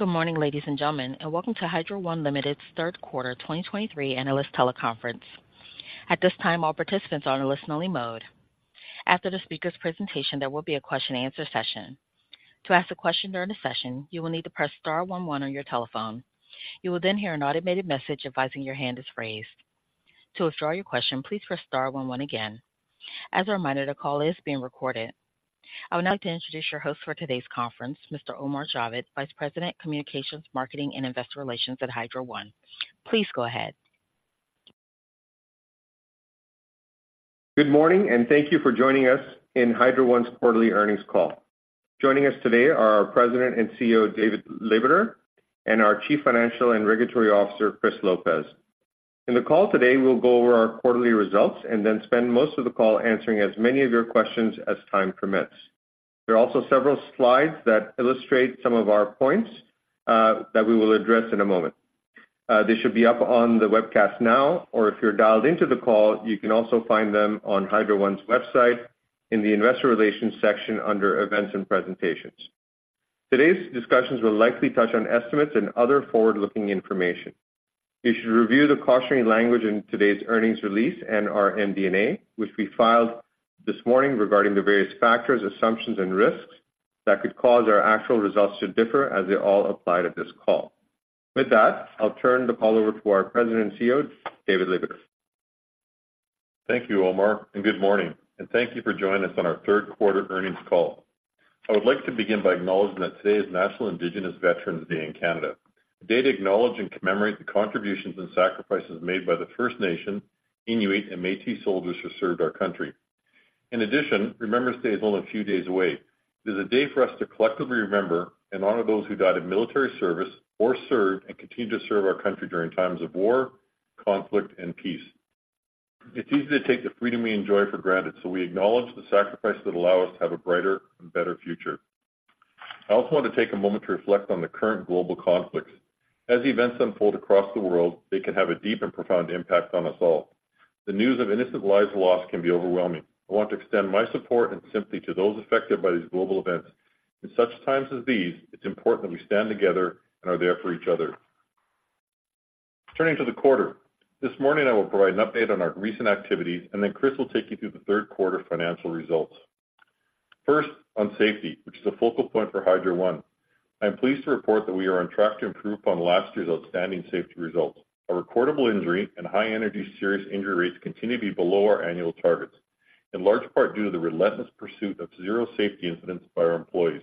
Good morning, ladies and gentlemen, and welcome to Hydro One Limited's third quarter 2023 analyst teleconference. At this time, all participants are in a listen-only mode. After the speaker's presentation, there will be a question-and-answer session. To ask a question during the session, you will need to press star one one on your telephone. You will then hear an automated message advising your hand is raised. To withdraw your question, please press star one one again. As a reminder, the call is being recorded. I would now like to introduce your host for today's conference, Mr. Omar Javed, Vice President, Communications, Marketing, and Investor Relations at Hydro One. Please go ahead. Good morning, and thank you for joining us in Hydro One's quarterly earnings call. Joining us today are our President and CEO, David Lebeter, and our Chief Financial and Regulatory Officer, Chris Lopez. In the call today, we'll go over our quarterly results and then spend most of the call answering as many of your questions as time permits. There are also several slides that illustrate some of our points that we will address in a moment. They should be up on the webcast now, or if you're dialed into the call, you can also find them on Hydro One's website in the Investor Relations section under Events and Presentations. Today's discussions will likely touch on estimates and other forward-looking information. You should review the cautionary language in today's earnings release and our MD&A, which we filed this morning regarding the various factors, assumptions, and risks that could cause our actual results to differ as they all apply to this call. With that, I'll turn the call over to our President and CEO, David Lebeter. Thank you, Omar, and good morning, and thank you for joining us on our third quarter earnings call. I would like to begin by acknowledging that today is National Indigenous Veterans Day in Canada, a day to acknowledge and commemorate the contributions and sacrifices made by the First Nation, Inuit, and Métis soldiers who served our country. In addition, Remembrance Day is only a few days away. It is a day for us to collectively remember and honor those who died in military service or served and continue to serve our country during times of war, conflict, and peace. It's easy to take the freedom we enjoy for granted, so we acknowledge the sacrifices that allow us to have a brighter and better future. I also want to take a moment to reflect on the current global conflicts. As events unfold across the world, they can have a deep and profound impact on us all. The news of innocent lives lost can be overwhelming. I want to extend my support and sympathy to those affected by these global events. In such times as these, it's important that we stand together and are there for each other. Turning to the quarter. This morning, I will provide an update on our recent activities, and then Chris will take you through the third quarter financial results. First, on safety, which is a focal point for Hydro One. I am pleased to report that we are on track to improve on last year's outstanding safety results. Our recordable injury and high-energy serious injury rates continue to be below our annual targets, in large part due to the relentless pursuit of zero safety incidents by our employees.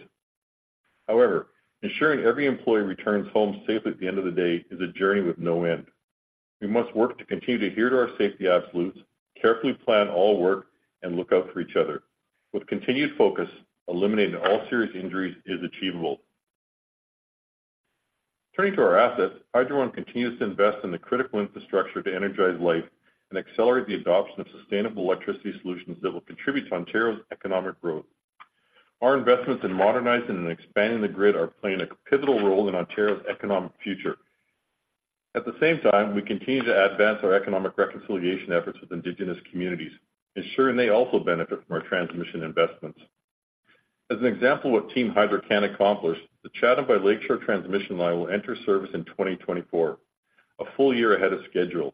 However, ensuring every employee returns home safely at the end of the day is a journey with no end. We must work to continue to adhere to our safety absolutes, carefully plan all work, and look out for each other. With continued focus, eliminating all serious injuries is achievable. Turning to our assets, Hydro One continues to invest in the critical infrastructure to energize life and accelerate the adoption of sustainable electricity solutions that will contribute to Ontario's economic growth. Our investments in modernizing and expanding the grid are playing a pivotal role in Ontario's economic future. At the same time, we continue to advance our economic reconciliation efforts with Indigenous communities, ensuring they also benefit from our transmission investments. As an example of what Team Hydro can accomplish, the Chatham to Lakeshore transmission line will enter service in 2024, a full year ahead of schedule.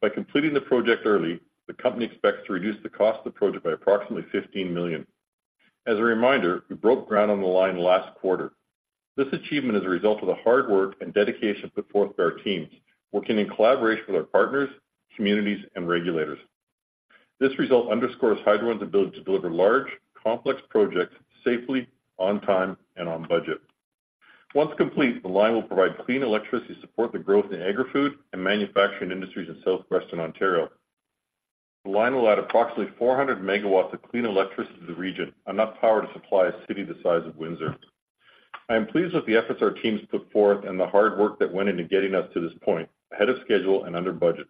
By completing the project early, the company expects to reduce the cost of the project by approximately 15 million. As a reminder, we broke ground on the line last quarter. This achievement is a result of the hard work and dedication put forth by our teams, working in collaboration with our partners, communities, and regulators. This result underscores Hydro One's ability to deliver large, complex projects safely, on time, and on budget. Once complete, the line will provide clean electricity to support the growth in agri-food and manufacturing industries in southwestern Ontario. The line will add approximately 400 megawatts of clean electricity to the region, enough power to supply a city the size of Windsor. I am pleased with the efforts our teams put forth and the hard work that went into getting us to this point, ahead of schedule and under budget.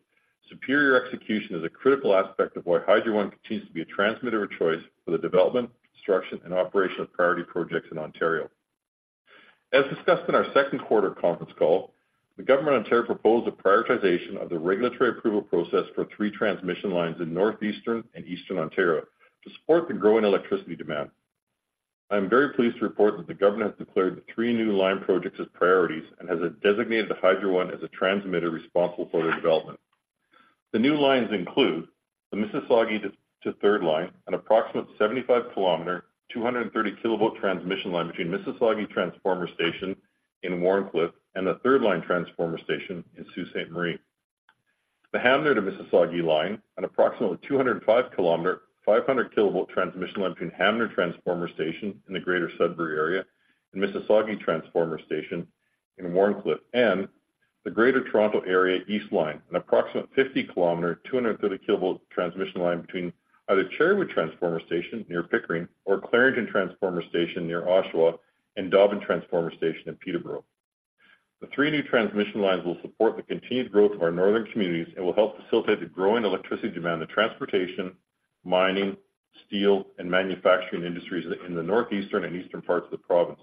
Superior execution is a critical aspect of why Hydro One continues to be a transmitter of choice for the development, construction, and operation of priority projects in Ontario. As discussed in our second quarter conference call, the Government of Ontario proposed a prioritization of the regulatory approval process for three transmission lines in northeastern and eastern Ontario to support the growing electricity demand. I am very pleased to report that the government has declared the three new line projects as priorities and has designated Hydro One as the transmitter responsible for their development. The new lines include the Mississagi to Third Line, an approximate 75 km, 230 kv transmission line between Mississagi Transformer Station in Wharncliffe and the Third Line Transformer Station in Sault Ste. Marie. The Hanmer to Mississagi line, an approximately 205 km, 500 kv transmission line between Hanmer Transformer Station in the Greater Sudbury area and Mississagi Transformer Station in Wharncliffe, and the Greater Toronto Area East Line, an approximate 50 km, 230 kv transmission line between either Cherrywood Transformer Station near Pickering or Clarington Transformer Station near Oshawa and Dobbin Transformer Station in Peterborough. The three new transmission lines will support the continued growth of our northern communities and will help facilitate the growing electricity demand of transportation, mining, steel, and manufacturing industries in the northeastern and eastern parts of the province.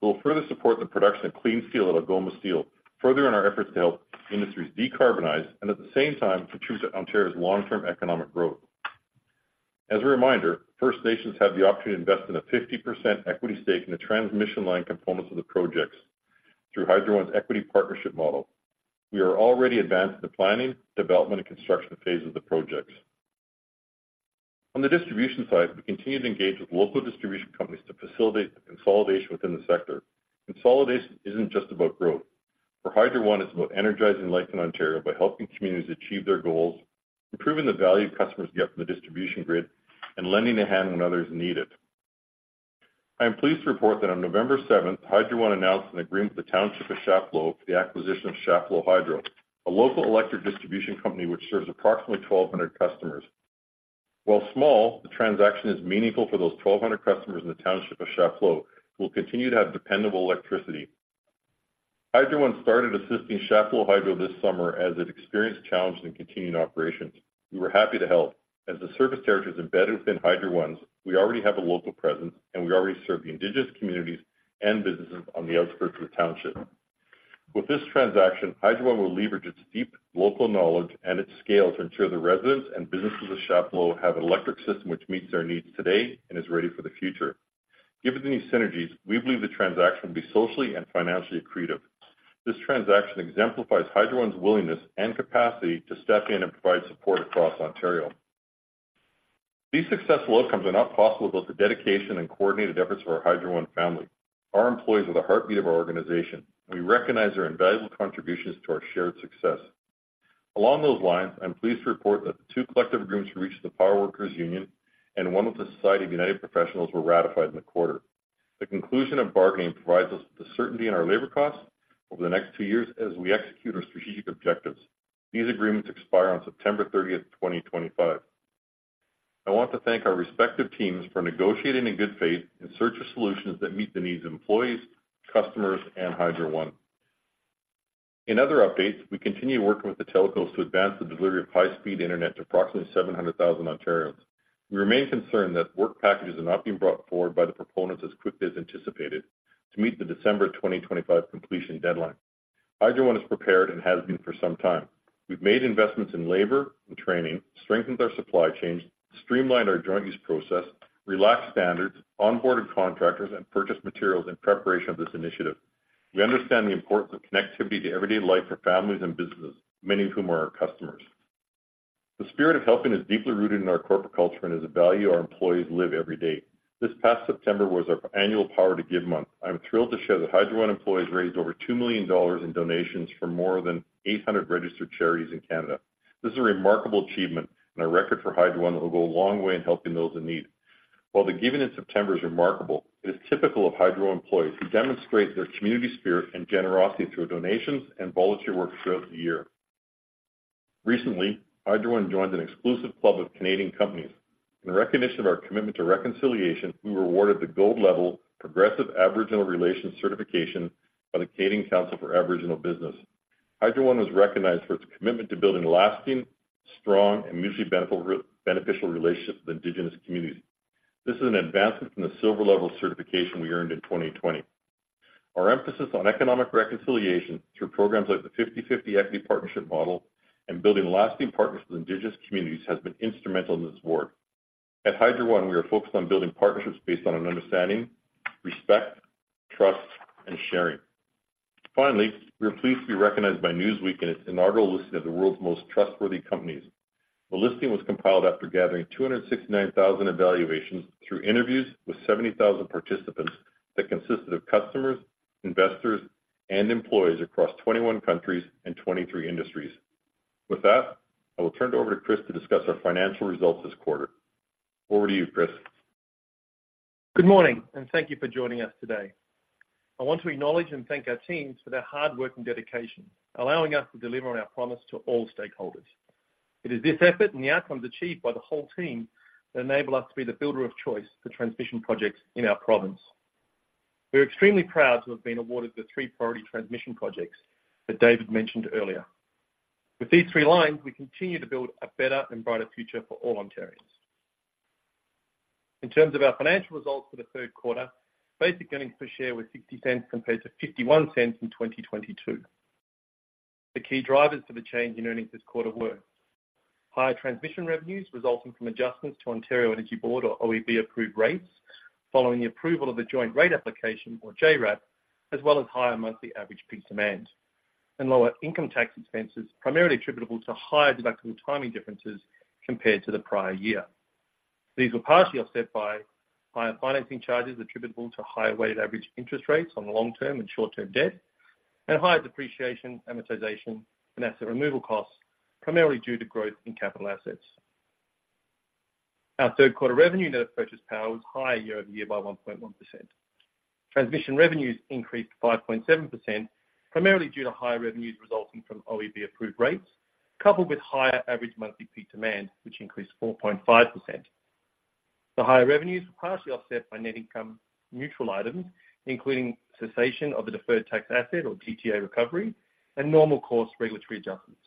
We will further support the production of clean steel at Algoma Steel, furthering our efforts to help industries decarbonize and at the same time contribute to Ontario's long-term economic growth. As a reminder, First Nations have the opportunity to invest in a 50% equity stake in the transmission line components of the projects through Hydro One's equity partnership model. We are already advanced in the planning, development, and construction phase of the projects. On the distribution side, we continue to engage with local distribution companies to facilitate the consolidation within the sector. Consolidation isn't just about growth. For Hydro One, it's about energizing life in Ontario by helping communities achieve their goals, improving the value customers get from the distribution grid, and lending a hand when others need it. I am pleased to report that on November seventh, Hydro One announced an agreement with the Township of Chapleau for the acquisition of Chapleau Hydro, a local electric distribution company which serves approximately 1,200 customers. While small, the transaction is meaningful for those 1,200 customers in the Township of Chapleau, who will continue to have dependable electricity. Hydro One started assisting Chapleau Hydro this summer as it experienced challenges in continuing operations. We were happy to help. As the service territory is embedded within Hydro One's, we already have a local presence, and we already serve the Indigenous communities and businesses on the outskirts of the township. With this transaction, Hydro One will leverage its deep local knowledge and its scale to ensure the residents and businesses of Chapleau have an electric system which meets their needs today and is ready for the future. Given these synergies, we believe the transaction will be socially and financially accretive. This transaction exemplifies Hydro One's willingness and capacity to step in and provide support across Ontario. These successful outcomes are not possible without the dedication and coordinated efforts of our Hydro One family. Our employees are the heartbeat of our organization. We recognize their invaluable contributions to our shared success. Along those lines, I'm pleased to report that the two collective agreements reached with the Power Workers' Union and one with the Society of United Professionals were ratified in the quarter. The conclusion of bargaining provides us with the certainty in our labor costs over the next two years as we execute our strategic objectives. These agreements expire on September 30th, 2025. I want to thank our respective teams for negotiating in good faith in search of solutions that meet the needs of employees, customers, and Hydro One. In other updates, we continue working with the telcos to advance the delivery of high-speed internet to approximately 700,000 Ontarians. We remain concerned that work packages are not being brought forward by the proponents as quickly as anticipated to meet the December 2025 completion deadline. Hydro One is prepared and has been for some time. We've made investments in labor and training, strengthened our supply chains, streamlined our joint use process, relaxed standards, onboarded contractors, and purchased materials in preparation of this initiative. We understand the importance of connectivity to everyday life for families and businesses, many of whom are our customers. The spirit of helping is deeply rooted in our corporate culture and is a value our employees live every day. This past September was our annual Power to Give month. I'm thrilled to share that Hydro One employees raised over 2 million dollars in donations from more than 800 registered charities in Canada. This is a remarkable achievement and a record for Hydro One that will go a long way in helping those in need. While the giving in September is remarkable, it is typical of Hydro employees, who demonstrate their community spirit and generosity through donations and volunteer work throughout the year. Recently, Hydro One joined an exclusive club of Canadian companies. In recognition of our commitment to reconciliation, we were awarded the gold-level Progressive Aboriginal Relations certification by the Canadian Council for Aboriginal Business. Hydro One was recognized for its commitment to building lasting, strong, and mutually beneficial, beneficial relationships with Indigenous communities. This is an advancement from the silver-level certification we earned in 2020. Our emphasis on economic reconciliation through programs like the 50/50 equity partnership model and building lasting partnerships with Indigenous communities, has been instrumental in this award. At Hydro One, we are focused on building partnerships based on an understanding, respect, trust, and sharing. Finally, we are pleased to be recognized by Newsweek in its inaugural listing of the world's most trustworthy companies. The listing was compiled after gathering 269,000 evaluations through interviews with 70,000 participants that consisted of customers, investors, and employees across 21 countries and 23 industries. With that, I will turn it over to Chris to discuss our financial results this quarter. Over to you, Chris. Good morning, and thank you for joining us today. I want to acknowledge and thank our teams for their hard work and dedication, allowing us to deliver on our promise to all stakeholders. It is this effort and the outcomes achieved by the whole team that enable us to be the builder of choice for transmission projects in our province. We're extremely proud to have been awarded the three priority transmission projects that David mentioned earlier. With these three lines, we continue to build a better and brighter future for all Ontarians. In terms of our financial results for the third quarter, basic earnings per share were 0.60 compared to 0.51 in 2022. The key drivers to the change in earnings this quarter were higher transmission revenues, resulting from adjustments to Ontario Energy Board, or OEB, approved rates following the approval of the Joint Rate Application, or JRAP, as well as higher monthly average peak demand and lower income tax expenses, primarily attributable to higher deductible timing differences compared to the prior year. These were partially offset by higher financing charges attributable to higher weighted average interest rates on long-term and short-term debt, and higher depreciation, amortization, and asset removal costs, primarily due to growth in capital assets. Our third quarter revenue net of purchase power was higher year over year by 1.1%. Transmission revenues increased 5.7%, primarily due to higher revenues resulting from OEB-approved rates, coupled with higher average monthly peak demand, which increased 4.5%. The higher revenues were partially offset by net income neutral items, including cessation of the Deferred Tax Asset, or DTA recovery, and normal course regulatory adjustments.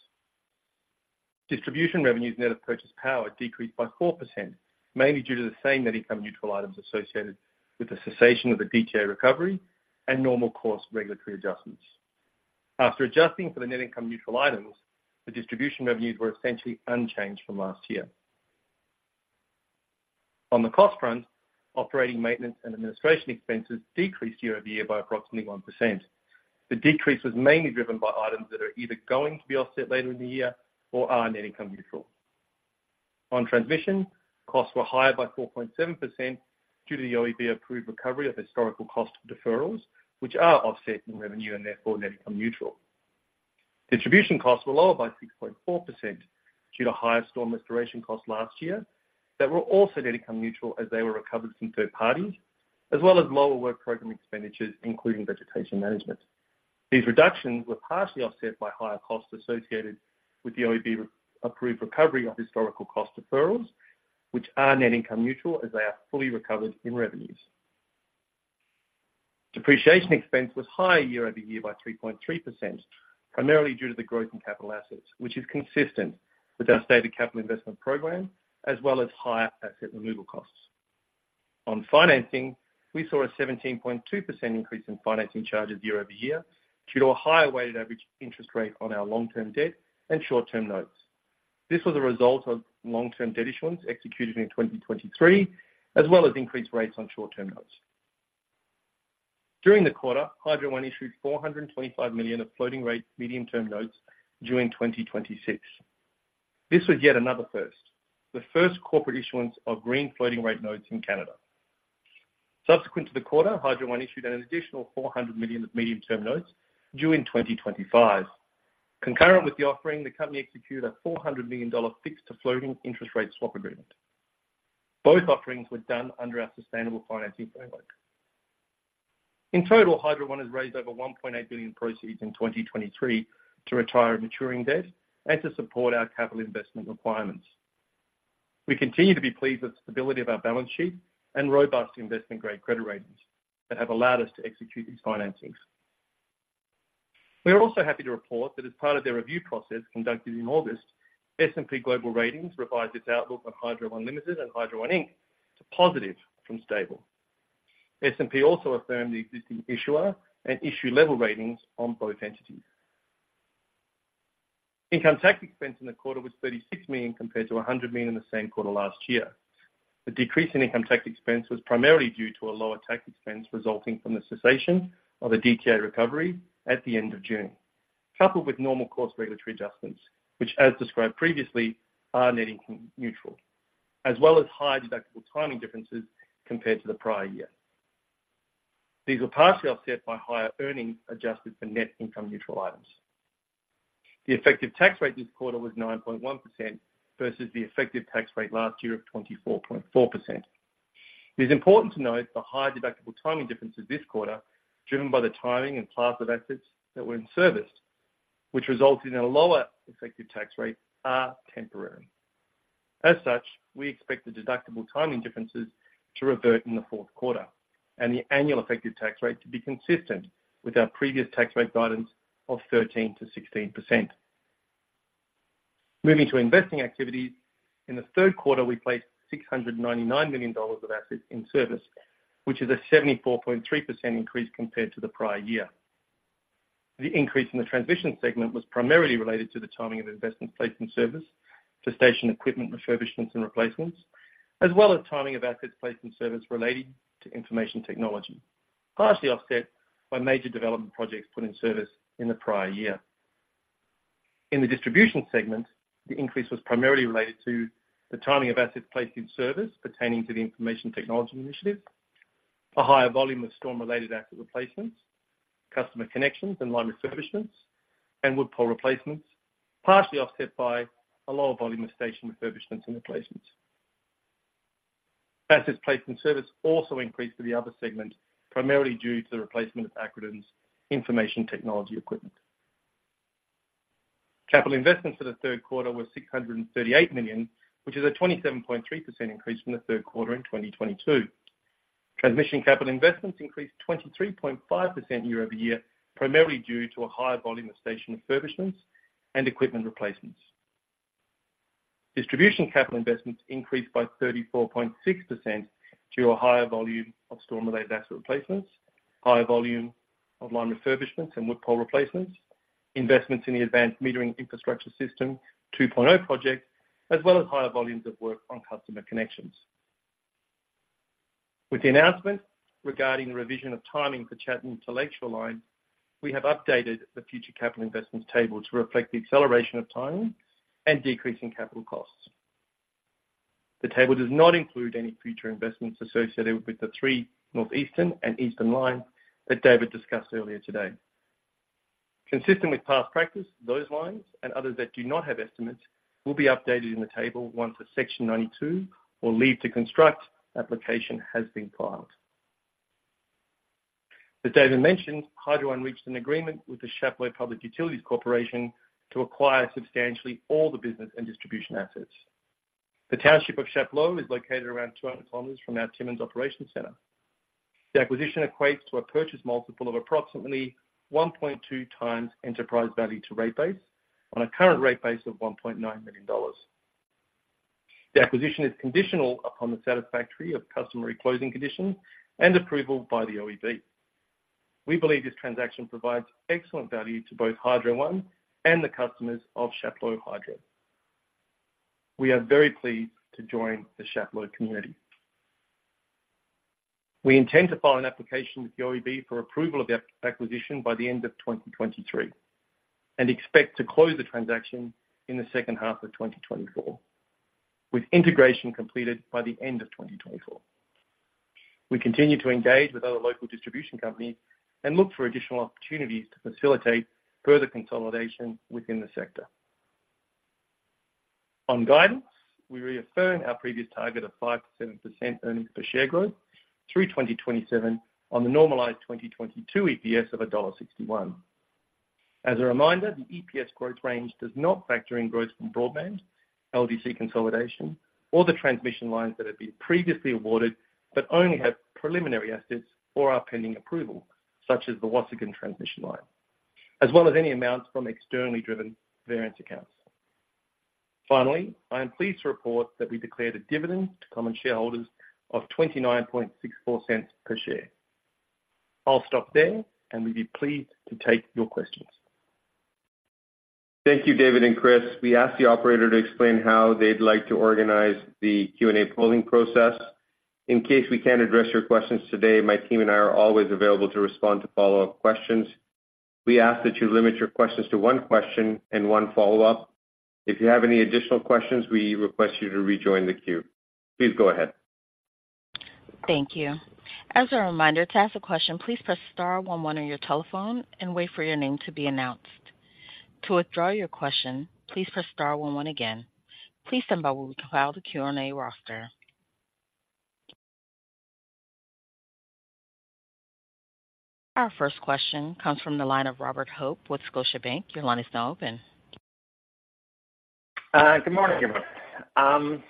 Distribution revenues, net of purchased power, decreased by 4%, mainly due to the same net income neutral items associated with the cessation of the DTA recovery and normal course regulatory adjustments. After adjusting for the net income neutral items, the distribution revenues were essentially unchanged from last year. On the cost front, operating maintenance and administration expenses decreased year-over-year by approximately 1%. The decrease was mainly driven by items that are either going to be offset later in the year or are net income neutral. On transmission, costs were higher by 4.7% due to the OEB-approved recovery of historical cost deferrals, which are offset in revenue and therefore net income neutral. Distribution costs were lower by 6.4% due to higher storm restoration costs last year, that were also net income neutral as they were recovered from third parties, as well as lower work program expenditures, including vegetation management. These reductions were partially offset by higher costs associated with the OEB-approved recovery of historical cost deferrals, which are net income neutral, as they are fully recovered in revenues. Depreciation expense was higher year-over-year by 3.3%, primarily due to the growth in capital assets, which is consistent with our stated capital investment program, as well as higher asset removal costs. On financing, we saw a 17.2 increase in financing charges year-over-year, due to a higher weighted average interest rate on our long-term debt and short-term notes. This was a result of long-term debt issuance executed in 2023, as well as increased rates on short-term notes. During the quarter, Hydro One issued 425 million of floating-rate medium-term notes during 2026. This was yet another first, the first corporate issuance of green floating-rate notes in Canada. Subsequent to the quarter, Hydro One issued an additional 400 million of medium-term notes due in 2025. Concurrent with the offering, the company executed a 400 million dollar fixed to floating interest rate swap agreement. Both offerings were done under our Sustainable Financing Framework. In total, Hydro One has raised over 1.8 billion proceeds in 2023 to retire maturing debt and to support our capital investment requirements. We continue to be pleased with the stability of our balance sheet and robust investment-grade credit ratings that have allowed us to execute these financings. We are also happy to report that as part of their review process conducted in August, S&P Global Ratings revised its outlook on Hydro One Limited and Hydro One Inc. to positive from stable. S&P also affirmed the existing issuer and issue level ratings on both entities. Income tax expense in the quarter was 36 million, compared to 100 million in the same quarter last year. The decrease in income tax expense was primarily due to a lower tax expense resulting from the cessation of a DTA recovery at the end of June, coupled with normal course regulatory adjustments, which, as described previously, are net income neutral, as well as higher deductible timing differences compared to the prior year. These were partially offset by higher earnings, adjusted for net income neutral items. The effective tax rate this quarter was 9.1% versus the effective tax rate last year of 24.4%. It is important to note the higher deductible timing differences this quarter, driven by the timing and class of assets that were in service, which resulted in a lower effective tax rate, are temporary. As such, we expect the deductible timing differences to revert in the fourth quarter and the annual effective tax rate to be consistent with our previous tax rate guidance of 13%-16%. Moving to investing activities. In the third quarter, we placed 699 million dollars of assets in service, which is a 74.3% increase compared to the prior year. The increase in the transmission segment was primarily related to the timing of investment placed in service for station equipment, refurbishments, and replacements, as well as timing of assets placed in service relating to information technology, partially offset by major development projects put in service in the prior year. In the distribution segment, the increase was primarily related to the timing of assets placed in service pertaining to the information technology initiative, a higher volume of storm-related asset replacements, customer connections and line refurbishments, and wood pole replacements, partially offset by a lower volume of station refurbishments and replacements. Assets placed in service also increased to the other segment, primarily due to the replacement of Acronym's information technology equipment. Capital investments for the third quarter were 638 million, which is a 27.3% increase from the third quarter in 2022. Transmission capital investments increased 23.5% year-over-year, primarily due to a higher volume of station refurbishments and equipment replacements. Distribution capital investments increased by 34.6% due to a higher volume of storm-related asset replacements, higher volume of line refurbishments and wood pole replacements, investments in the Advanced Metering Infrastructure System 2.0 project, as well as higher volumes of work on customer connections. With the announcement regarding the revision of timing for Chatham to Lakeshore line, we have updated the future capital investments table to reflect the acceleration of timing and decrease in capital costs. The table does not include any future investments associated with the three northeastern and eastern lines that David discussed earlier today. Consistent with past practice, those lines and others that do not have estimates, will be updated in the table once a Section 92 or leave to construct application has been filed. As David mentioned, Hydro One reached an agreement with the Chapleau Public Utilities Corporation to acquire substantially all the business and distribution assets. The township of Chapleau is located around 200 km from our Timmins operations center. The acquisition equates to a purchase multiple of approximately 1.2x enterprise value to rate base on a current rate base of 1.9 million dollars. The acquisition is conditional upon the satisfaction of customary closing conditions and approval by the OEB. We believe this transaction provides excellent value to both Hydro One and the customers of Chapleau Hydro. We are very pleased to join the Chapleau community. We intend to file an application with the OEB for approval of the acquisition by the end of 2023, and expect to close the transaction in the second half of 2024, with integration completed by the end of 2024. We continue to engage with other local distribution companies and look for additional opportunities to facilitate further consolidation within the sector. On guidance, we reaffirm our previous target of 5%-7% earnings per share growth through 2027 on the normalized 2022 EPS of dollar 1.61. As a reminder, the EPS growth range does not factor in growth from broadband, LDC consolidation, or the transmission lines that have been previously awarded, but only have preliminary assets or are pending approval, such as the Waasigan transmission line, as well as any amounts from externally driven variance accounts. Finally, I am pleased to report that we declared a dividend to common shareholders of 0.2964 per share. I'll stop there, and we'd be pleased to take your questions. Thank you, David and Chris. We ask the operator to explain how they'd like to organize the Q&A polling process. In case we can't address your questions today, my team and I are always available to respond to follow-up questions. We ask that you limit your questions to one question and one follow-up. If you have any additional questions, we request you to rejoin the queue. Please go ahead. Thank you. As a reminder, to ask a question, please press star one one on your telephone and wait for your name to be announced. To withdraw your question, please press star one one again. Please stand by while we compile the Q&A roster. Our first question comes from the line of Robert Hope with Scotiabank. Your line is now open. Good morning, everyone.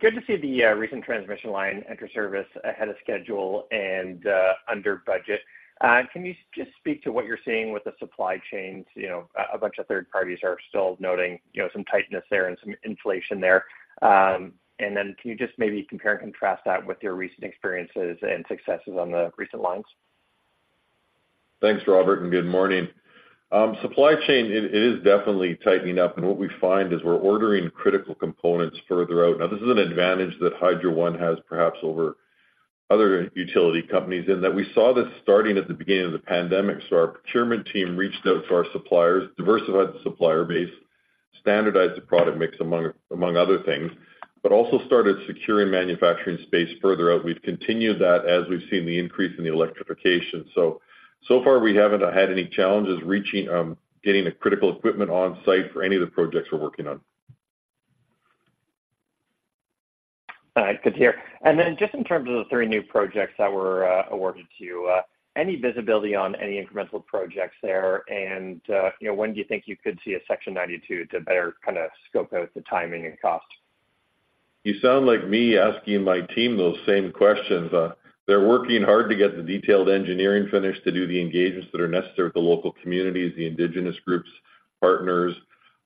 Good to see the recent transmission line enter service ahead of schedule and under budget. Can you just speak to what you're seeing with the supply chains? You know, a bunch of third parties are still noting, you know, some tightness there and some inflation there. And then can you just maybe compare and contrast that with your recent experiences and successes on the recent lines? Thanks, Robert, and good morning. Supply chain, it is definitely tightening up, and what we find is we're ordering critical components further out. Now, this is an advantage that Hydro One has perhaps over other utility companies, in that we saw this starting at the beginning of the pandemic. So our procurement team reached out to our suppliers, diversified the supplier base, standardized the product mix, among other things, but also started securing manufacturing space further out. We've continued that as we've seen the increase in the electrification. So, so far, we haven't had any challenges getting the critical equipment on site for any of the projects we're working on. Good to hear. And then just in terms of the three new projects that were awarded to you, any visibility on any incremental projects there? And, you know, when do you think you could see a Section 92 to better kind of scope out the timing and cost? You sound like me asking my team those same questions. They're working hard to get the detailed engineering finished, to do the engagements that are necessary with the local communities, the indigenous groups, partners,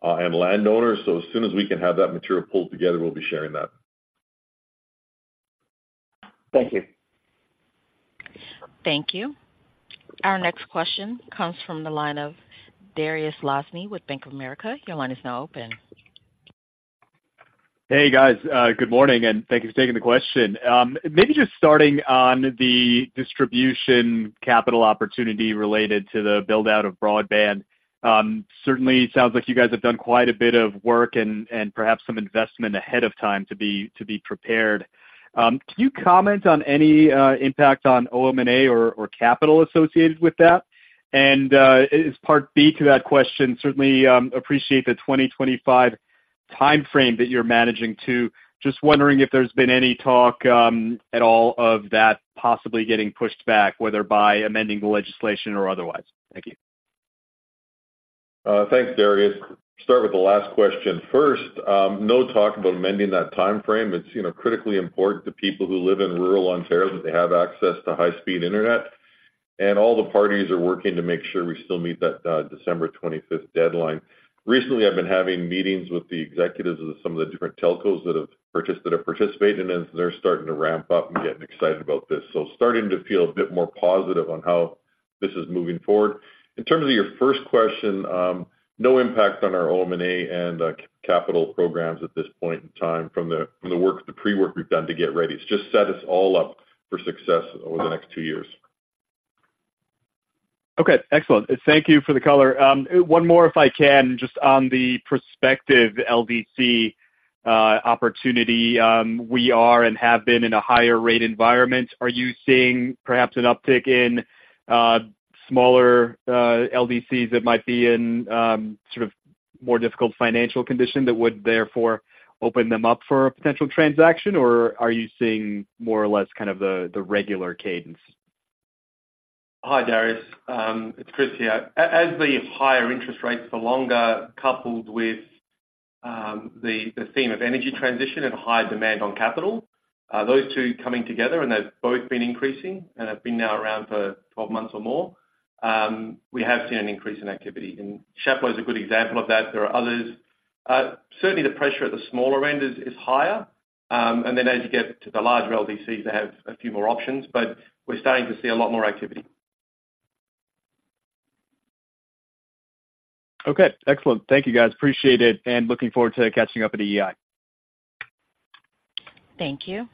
and landowners. So as soon as we can have that material pulled together, we'll be sharing that. Thank you. Thank you. Our next question comes from the line of Dariusz Lozny with Bank of America. Your line is now open. Hey, guys, good morning, and thank you for taking the question. Maybe just starting on the distribution capital opportunity related to the build-out of broadband. Certainly sounds like you guys have done quite a bit of work and, and perhaps some investment ahead of time to be, to be prepared. Can you comment on any impact on OM&A or capital associated with that? And, as part B to that question, certainly appreciate the 2025 timeframe that you're managing to. Just wondering if there's been any talk at all of that possibly getting pushed back, whether by amending the legislation or otherwise. Thank you. Thanks, Dariusz. Start with the last question first, no talk about amending that timeframe. It's, you know, critically important to people who live in rural Ontario, that they have access to high-speed internet, and all the parties are working to make sure we still meet that December 25th deadline. Recently, I've been having meetings with the executives of some of the different telcos that have participated, and they're starting to ramp up and getting excited about this. So starting to feel a bit more positive on how this is moving forward. In terms of your first question, no impact on our OM&A and capital programs at this point in time from the work, the pre-work we've done to get ready. It's just set us all up for success over the next 2 years. Okay, excellent. Thank you for the color. One more, if I can, just on the prospective LDC opportunity, we are and have been in a higher rate environment. Are you seeing perhaps an uptick in smaller LDCs that might be in sort of more difficult financial condition, that would therefore open them up for a potential transaction? Or are you seeing more or less kind of the regular cadence? Hi, Dariusz. It's Chris here. As the higher interest rates for longer, coupled with the theme of energy transition and high demand on capital, those two coming together, and they've both been increasing and have been now around for 12 months or more, we have seen an increase in activity, and Chapleau is a good example of that. There are others. Certainly the pressure at the smaller end is higher. And then as you get to the larger LDCs, they have a few more options, but we're starting to see a lot more activity. Okay, excellent. Thank you, guys. Appreciate it, and looking forward to catching up at EI. Thank you.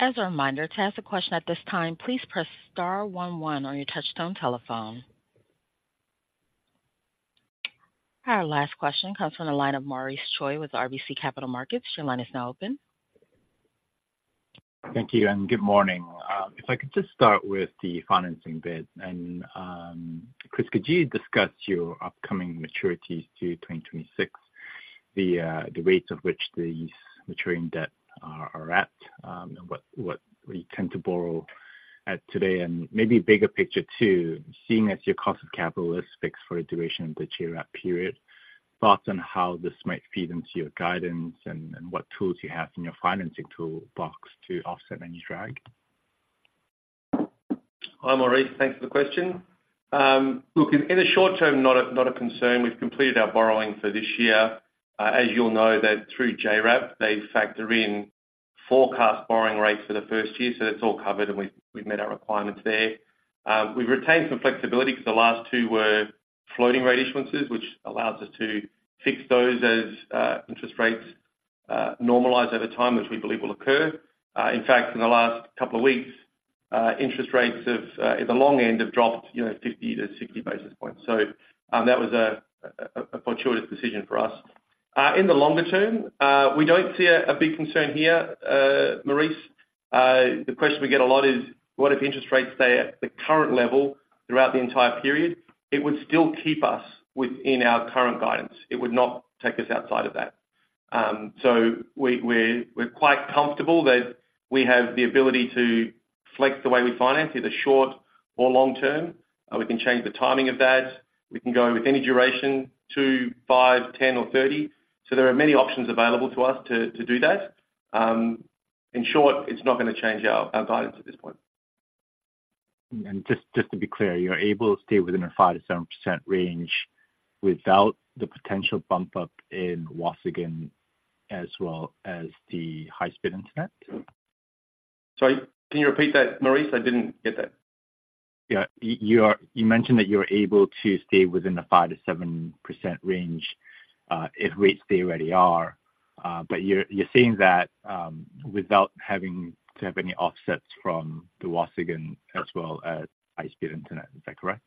As a reminder, to ask a question at this time, please press star one one on your touchtone telephone. Our last question comes from the line of Maurice Choy with RBC Capital Markets. Your line is now open. Thank you, and good morning. If I could just start with the financing bit, and, Chris, could you discuss your upcoming maturities due 2026, the rates of which these maturing debt are at, and what we tend to borrow at today? Maybe bigger picture, too, seeing as your cost of capital is fixed for the duration of the JRAP period, thoughts on how this might feed into your guidance and what tools you have in your financing toolbox to offset any drag? Hi, Maurice. Thanks for the question. Look, in the short term, not a concern. We've completed our borrowing for this year. As you'll know, that through JRAP, they factor in forecast borrowing rates for the first year, so that's all covered, and we've met our requirements there. We've retained some flexibility because the last two were floating rate issuances, which allows us to fix those as interest rates normalize over time, which we believe will occur. In fact, in the last couple of weeks, interest rates in the long end have dropped, you know, 50-60 basis points. So, that was a fortuitous decision for us. In the longer term, we don't see a big concern here, Maurice. The question we get a lot is: What if interest rates stay at the current level throughout the entire period? It would still keep us within our current guidance. It would not take us outside of that. So we're quite comfortable that we have the ability to flex the way we finance, either short or long term. We can change the timing of that. We can go with any duration, two, five, 10, or 30. So there are many options available to us to do that. In short, it's not gonna change our guidance at this point. Just just to be clear, you're able to stay within a 5%-7% range without the potential bump up in Waasigan, as well as the high-speed internet? Sorry, can you repeat that, Maurice? I didn't get that. Yeah. You mentioned that you're able to stay within a 5%-7% range if rates stay where they are. But you're saying that without having to have any offsets from the Waasigan as well as high-speed internet, is that correct?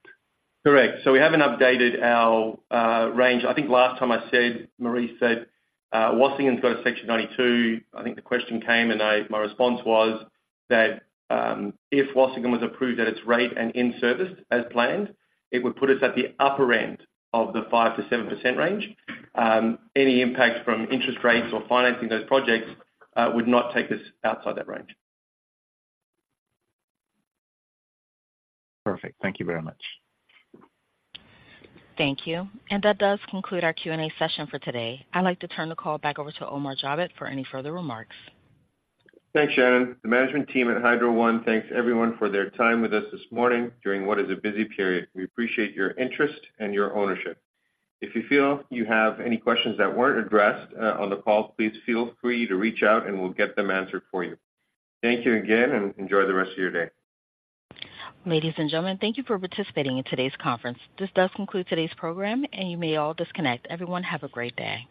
Correct. So we haven't updated our range. I think last time I said, Maurice, said, Waasigan's got a Section 92. I think the question came, and my response was that, if Waasigan was approved at its rate and in-serviced as planned, it would put us at the upper end of the 5%-7% range. Any impact from interest rates or financing those projects would not take us outside that range. Perfect. Thank you very much. Thank you. That does conclude our Q&A session for today. I'd like to turn the call back over to Omar Javed for any further remarks. Thanks, Shannon. The management team at Hydro One thanks everyone for their time with us this morning during what is a busy period. We appreciate your interest and your ownership. If you feel you have any questions that weren't addressed, on the call, please feel free to reach out, and we'll get them answered for you. Thank you again, and enjoy the rest of your day. Ladies and gentlemen, thank you for participating in today's conference. This does conclude today's program, and you may all disconnect. Everyone, have a great day.